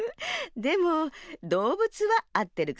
でもどうぶつはあってるかもね。